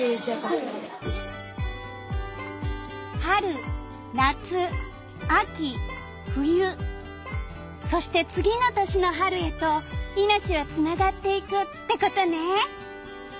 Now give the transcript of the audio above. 春夏秋冬そして次の年の春へといのちはつながっていくってことね！